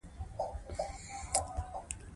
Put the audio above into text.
طبیعي زیرمې د افغانستان د طبیعت برخه ده.